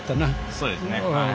そうですねはい。